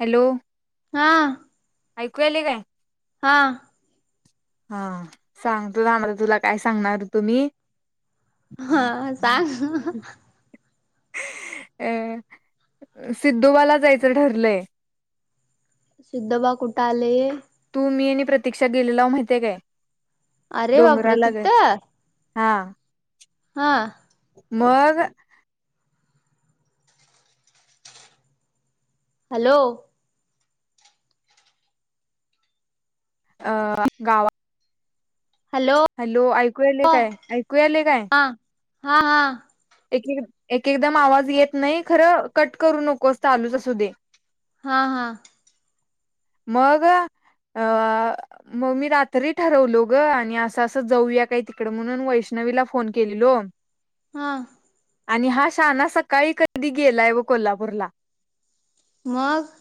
Hello हां ऐकूयले काय? हां हा सांगतो थांब तुला काय सांगणार हो तु मी. हा सांग अ सिद्धोबाला जायचं ठरलंय. सिद्धबा कुठ आलेय हे? तू मी आणि प्रतीक्षा गेलेलाव माहितीय काय. अरे बापरे तीथ. हां हां मग हॅलो अ गावा हॅलो ऐकूयाले हा काय ऐकू आले काय? हा हा एक एक एकदम आवाज येत नाही खरं कट करू नकोस चालूच असू दे. हा हां मग अ मग मी रात्री ठरवलो ग आणि अस असं जाऊया काय तिकड म्हणून वैष्णवीला फोन केलेलो. हां आणि हा शहाणा सकाळी कधी गेलाय व कोल्हापूरला. मग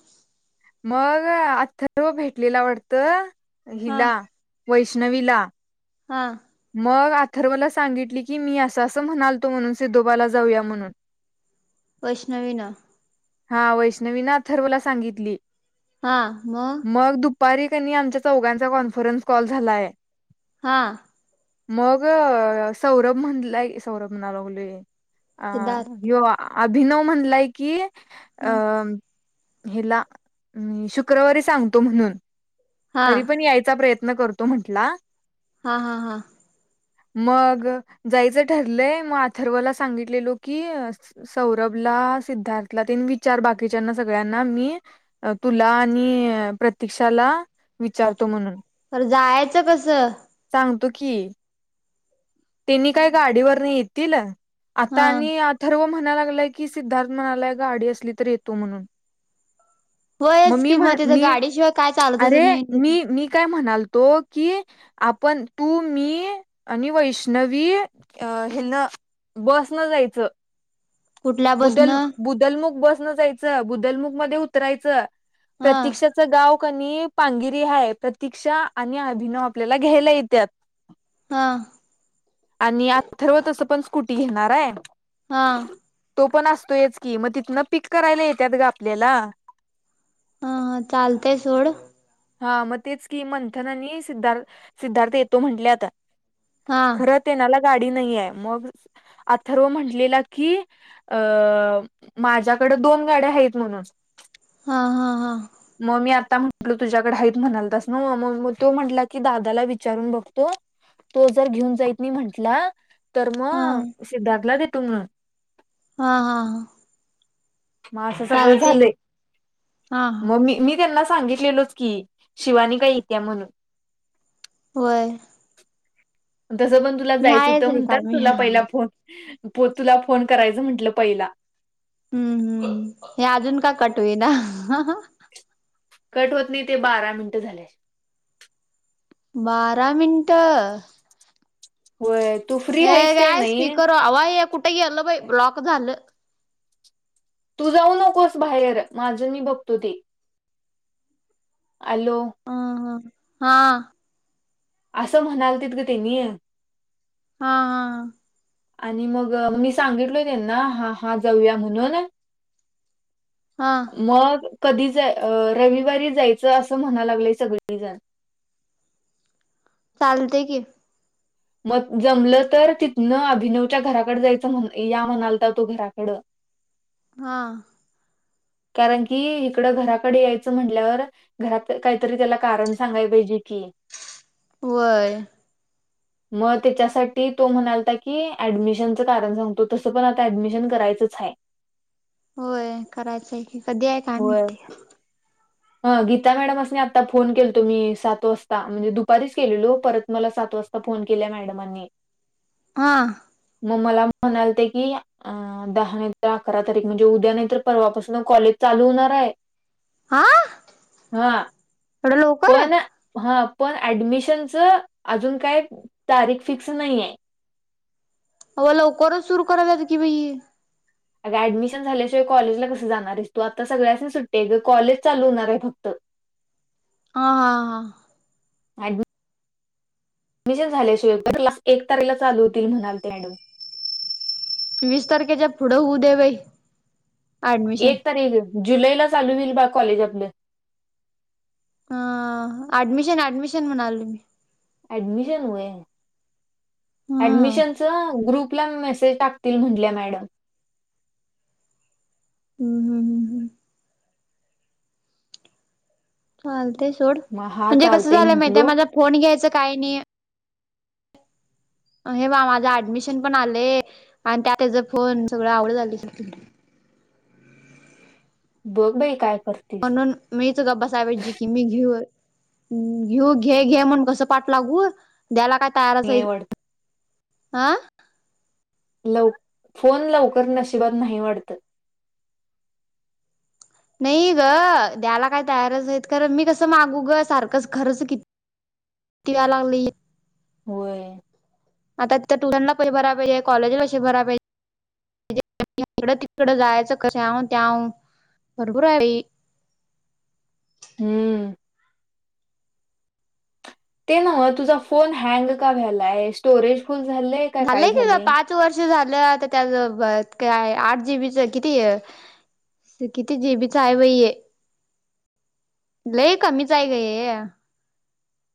मग आथर्व भेटलेला वाटत हिला. वैष्णवीला हां मग अथर्वला सांगितली की मी असं असं म्हणाल तो म्हणून सिद्धोबाला जाऊया म्हणून. वैष्णवीनं हा वैष्णवीन अथर्वला सांगितली. हा मग? दुपारी का नाय आमच्या चौघांचा कॉन्फरन्स कॉल झालाय. हां मग सौरभ म्हणलाय सौरभ म्हणालगलोय अ सिद्धार्थ ह्यो अभिनव म्हणलाय की हा अं हिला शुक्रवारी सांगतो म्हणून हा तरी पण यायचा प्रयत्न त्न करतो म्हंटला. हा हा हां मग जायचं ठरलंय मग अथर्वाला सांगितलेलो की सौरभ ला सिद्धार्थ. ला तेन विचार बाकीच्यांना सगळ्यांना मी तुला आणि प्रतीक्षाला विचारतो म्हणून. अर जायचं कसं? सांगतो की त्यांनी काय गाडीवरण येतील. आता हा आणि अथर्व म्हणायला लागलाय की सिद्धार्थ म्हणालाय. गाडी असली तर येतो म्हणून. मग होयच मी कि म्हण तिथं मी गाडीशिवाय काय चालतच अरे नाही मी मी काय म्हणालो. तो की आपण तू मी आणि वैष्णवी अ हे न बस न जायचं. कुठल्या बसन बुदल हा बुदलमुग बस. इथन जायच बुदलमुख मध्ये उतरायचं प्रतीक्षाच गाव कणी पांगिरी हाय प्रतीक्षा आणि अभिनव आपल्याला घ्यायला येत्यात. हां आणि आथर्व तसं पण स्कूटी घेणार हाय. हां. तो पण असतोयच की मग तिथनं पिक करायला येतात ग आपल्याला. हा चालतय सोड. हा मग तेच कि मंथननी सिद्धार् सिद्धार्थ येतो म्हटल्यात. हा खरं ते नाला गाडी नाहीय, मग अथर्व म्हलेला की अ माझ्या कड दोन गाड्या आहेत म्हणून. हा हा हां. तुझ्याकड हत म्हणालतस नव्ह, म तो म्हटला की दादाला विचारून बघतो. तो जर घेऊन जाईत मी म्हंटला तर हा हा मग सिद्धार्थला देतो म्हणून. हा हा हां. मग असं सगळं झालंय हा हा मग मी मी त्यांना सांगितलेलोच. कि शिवानी काही येत्या म्हणून. व्हय. जसं पण तुला जायच होतं म्हणतात रिकामी तुला पहिला हम्म फोन प तुला फोन करायचं म्हंटलं पहिला. हम्म हम्म हे अजून का कट होईना. कट होत नाही ते बारा मिनिटं झाल्या. बारा मिनट. होय. तू फ्री हे आहेस काय नाही स्पीकर हवा हे कुठे गलं बाई ब्लॉक झालं. तू जाऊ नकोस बाहेर माझं मी बघतो ते. आलो. ह हा. असं म्हणाल तित ग तेन्ही. हा हां. आणि मग मी सांगितलोय त्यांना हाहा जाऊया म्हणून. हा मग, कधी जय अ रविवारी जायचं असं म्हणा लागलंय सगळीजण. [inaudible] चालतय की. मग जमलं तर तिथनं अभिनवच्या घराकड जायचं म्हण या म्हणालता तो घराकडं. [inaudible] हां. कारण की इकडं घराकडे यायचं म्हंटल्यावर घरात काहीतरी त्याला कारण सांगायला पाहिजे कि. [inaudible] व्हय. [inaudible] मग त्याच्यासाठी तो म्हणालाता की ऍडमिशनचं कारण सांगतो तसं पण आता ऍडमिशन करायचंच हाय. [inaudible] होय करायचंय की कधी आहे काय माहिती. अ गीता मॅडम असनी आता फोन केलतो मी सात वाजता म्हणजे दुपारीच केलेलो परत मला सात वाजता फोन केला मॅडमांनी. हा. मग मला म्हणालत्या की दहा नाही तर अकरा तारीख म्हणजे उद्या नाही तर परवापासून कॉलेज चा चालू हूणार हाय. हा हा एवढं लवकर पण हा. पण ऍडमिशनच अजून काय तारीख फिक्स नाही आहे. अव्वा लवकरच सुरु करायल्यात की बाई. अग ऍडमिशन झाल्याशिवाय कॉलेजला कस जाणार आहेस तू आता सगळ्यास सुट्टी आहे कॉलेज चालू होणार आहे फक्त. [inaudible] ह हा -हा ऍडमि शन झाल्याशिवाय क्लास एक तारीखला चालू होतील म्हणालत्या मॅडम. वीस तारखेच्या पुढे होऊ दे बाई. ऍडमिशन एक तारीख जुलैला चालू होईल बाळ कॉलेज आपलं अ ऍडमिशन -ऍडमिशन म्हणलोय मी. ऍडमिशन वय हा ऍडमिशनच ग्रुप ला मेसेज टाकतील म्हटल्या मॅडम. हम्म चालते सोड मग हा म्हणजे कसं चालतंय झालं माहित आहेय म्हंटलो माझा फोन घ्यायचा काय नाही. [inaudible] हे बा माझं ऍडमिशन पण आले आणि त्यात त्याच फोन सगळं आवड झालीय. बघ बाई काय करतेस म्हणून मीच गप्प बसायला पाहिजे की मी घेऊ ह् घेऊ घे घे म्हण कस पाठ लागू द्यायला काय तरायारच नाही आहित. वाटत लव फोन लवकर नशिबात नाही वाडत. नाही ग द्याला काय तयारच आहेत खर मी कसं मागू गं सारखंच खर्च किती वालांगली. होय. आता तिथ ट्युशनला पैसे भरा पाहिजे, कॉलेजला पैसे भरा पाहिजे. इकडं तिकडं जायचं कस ह्याव त्याव भरपूर आहे बाई. हम्म. ते नव तुझा फोन हँग का हव्यालाय स्टोरेज फुल झालंय का काय झालंय की ग झाले पाच वर्ष झा ल त्या सोबत आठ जीबीच किती किती जेबीचा आहे बाई हे. लई कमीच आहे गं हे.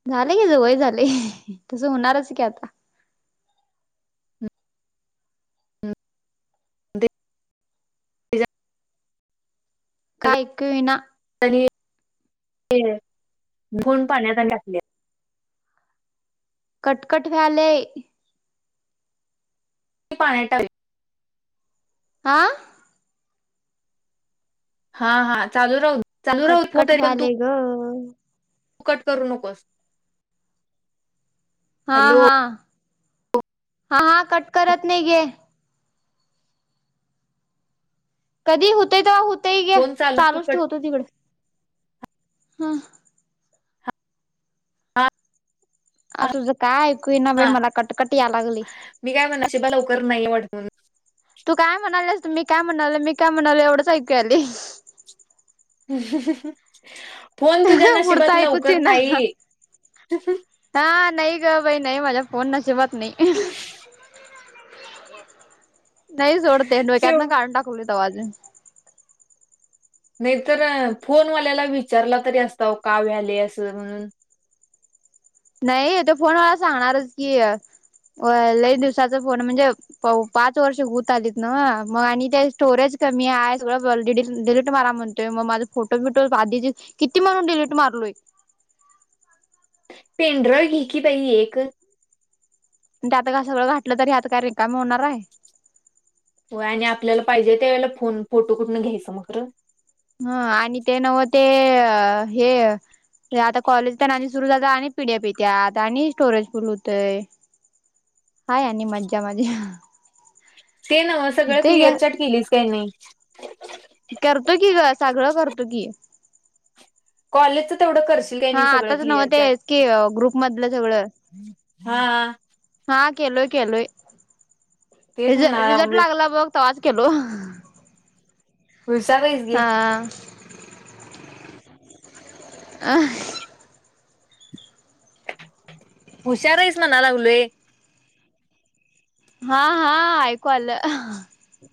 झाले की वय झाले तसं होणारच की आता. काय एकु येईना. हे फोन पाण्यात आणि टाकल्या. कटकट व्हालंय. ते पाण्या टाकल्या. आ हा हा चालू राहु कटकट व्हालय गं. तु कट करू नकोस. हॅलो हां-हां, हां-हां कट करत नाही घे. कधी होतंय तवा होतंय ते, फोन चालू तू चालूच कट ठेवतो तिकडं. हं हा अं तुझं काय ऐकू ना बाई हा मला कटकट यालागलय. मी काय म्हणा नशिबा लवकर नाही वाटत म्हणून. तू काय म्हणाल्यस? मी काय म्हणालोय? मी काय म्हणालोय एवढंच ऐकू यालंय. [inaudible] पुढचं नशिबात ऐकूच लवकर ईना. नाही हां नई गं बाई नई माज्या फोन नशिबात नई. नाही सोड ते शेव डोक्यातनं काढुन टाकवलोय तवा अजून. नाहीतर फोनवाल्याला विचारला तरी असताव, का व्हालय असं? म्हणून. [inaudible] नाही तो फोनवाला सांगणारच की होय लई दिवसाचा फोन म्हणजे प पाच वर्ष होत आलीत नव्हं मग आणि त्या स्टोरेज कमी आय सगळं ग डिलीट डिलीट मारा म्हणतोय. म माझं फोटो बिटो आधीचे किती म्हणून डिलीट मारलोय. पेन ड्राईव्ह घे की बाई येक. त्यात काय सगळं घातलं तरी ह्यात काय रिकामं होणाराय. होय आणि आपल्याला पाहिजे त्या वेळेला फोन फोटो कुटनं घ्यायचं मग खरं. हां आणि ते नव्ह ते हे आता कॉलेज तेन आणि सुरु झालं आणि पीडीएफ येत्यात, आणि स्टोरेज फुल होतय. हाय आणि मज्जा माझी. ते नव्ह सगळं क्लिअर चॅट केलीस काय नई? करतो की ग सगळं करतो की कॉलेजचं तेवढं करशील काय हां नाही सगळं आताचं नव्ह क्लिअर ते चॅट? के ग्रुप मधलं सगळं. हा हां केलोय केलोय. तेच रिझ म्हणा रिझल्ट लागलोय. लागला बघ. तव्हाच केलो. हुशार हैस हा गे. [inaudible] हुशार हैस म्हणा लागलोय. हां-हां ऐकू आलं. [unintelligible]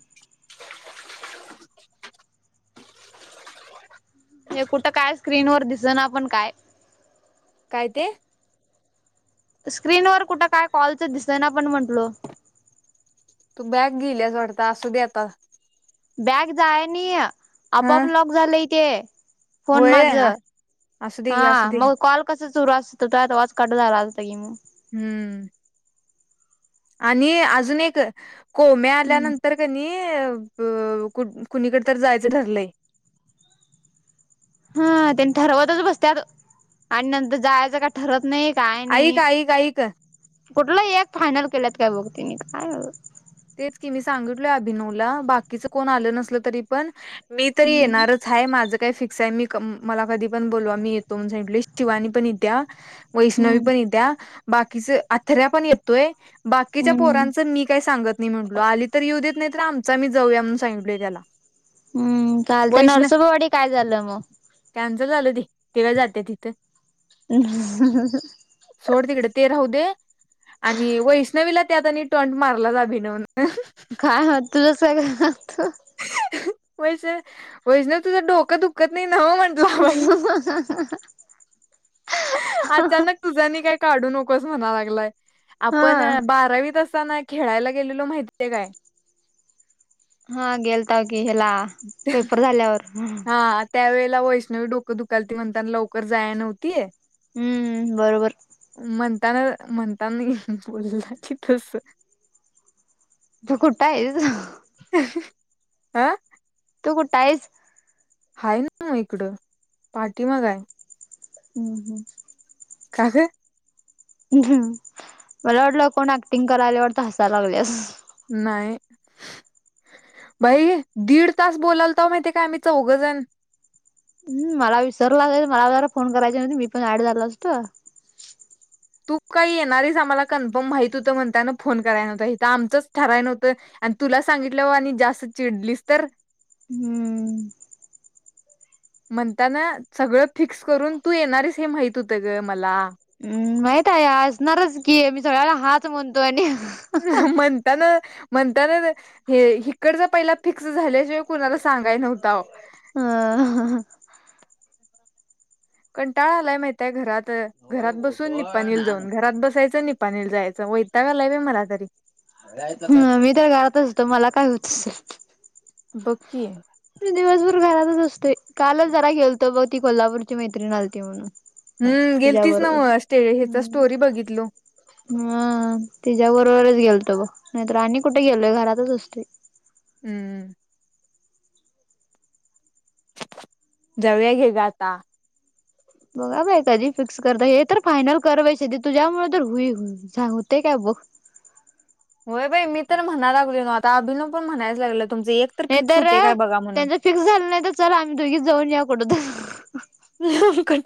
हे कुटं काय स्क्रीनवर दिसना पण काय. काय ते? स्क्रीनवर कुटं काय कॉलचं दिसना पण म्हंटलो. तू बॅक गेलीयास वाटतं. असू दे आता. बॅक जाया नी. हा आपोप लॉक झालंय तेे. फोन होय माझं, असू दे घे असू हां दे. मग कॉल कसा सुरू असतो तर वाच कट झाला असता की म. हम्म, आणि आजून एक कोम्या हम्म. आल्यानंतर कणी. ए ब कुणीकडं तर जायचं ठरलंय. हं तेन ठरवतच बसत्यात, आणि नंत जायचं काय ठरत नाही. काय ऐक नई, ऐक ऐक कुठलं एक फायनल केल्यात काय बघ तिनी काय. तेच की मी सांगिटलोय अभिनवला बाकीचं कोण आलं नसलं तरी पण मी तरी हम्म. येणारच हाय माझं मी काय फिक्स आय. मी क मला कधी पण बोलवा मी येतो म्हणून सांगिटलोय. शिवानी पण येत्या. वैष्णवी हम्म पण येत्या, बाकीचं आथऱ्या पण येतोय. बाकीच्या हम्म पोरांचं मी काय सांगत नाही आली तर येऊ देत नाही तर आमचं आम्ही जाऊया म्हणून सांगिटलोय त्याला. हम्म चालतंय, वैष्ण नरसोबावाडी काय झालं म? कॅन्सल झालं ते, ते काय जात्या तिथं. सोड तिकडं, ते राहू दे. आणि वैष्णवीला त्यात आणि टॉंट मारलाच अभिनवनं. तुझ्या संग ना तो हं वैष्णवी वैष्णवी तुझं डोकं दुखत नई. ना म्हणतो ना बाई हं अचानक तुझ्यानी अन काय काढू नकोस म्हणाय लागलाय हा आपण बारावीत असं. ताना खेळायला गेलोलं माहितीयाय काय? हा गेलताव की हेला पेपर झाल्यावर. ला वैष्णवी डोकं दुखालती म्हणताना लवकर जायाल नव्हती. हम्म बरोबर ताना म्हणताना बोलला की तसं. तू कुठं हाईस? हां तू कुठं हाईस? हा आहे ना इकडे पाठीमागय. हुं, हु. का ग. मला वाटलं कोण अॅक्टींग करायला लागलं हसायला लागल. नाही. बाई दीड तास बोलायलो, माहिती काय आम्ही चौघेजण ह मला विसरला मला जरा, फोन करायच मी पण ऍड झालो असतो. तू काही येणारच आम्हाला कन्फम, माहित होतं म्हणताना फोन कराय नव्हत हे आमचंच ठराय नव्हतं. आणि तुला सांगितल्यवानी, जास्त चिडलीस तर ह. [inaudible] म्हणताना सगळं फिक्स करून तू येणारस हे माहित होत ग मला हम्म माहित आहे असणारच की मी सगळ्याला हाच, म्हणतो आणि म्हणता ना. म्हणताना हे इकडचा पहिला फिक्स झाल्याशिवाय कुणाला सांगाय नव्हता, हो. ह, ह, हह. कंटाळा आलाय माहित घरात. तर घरात बसून निपानील जाऊन घरात बसायचं निपानील जायचं वैताक आलाय मला तरी मी तर घरातच असते मला काय होते असतय. बघ की. मी दिवसभर घरातच असतोय कालच जरा गेलतो ती कोल्हापूरची मैत्रिणी आलती म्हणून. ह गेलतीस ना तिच्याबरोबर मंग ज स्टोरी बघितलो. हा तिच्याबरोबरच गेलतो आणि कुठे गेलोय घरातच असतोय. हु. जेवाया घे ग आता बघा बाई कधी फिक्स करताय हे तर फायनल करायचं तुझ्यामुळे काय होतंय काय बघ. होय बाई मी तर म्हणायला लागलो अभि पण म्हणायला लागल. हे धर रे त्याचा फिक्स झालं नाही तर आम्ही दोघी जाऊन येऊ कुठेतरी ह, हा, कर.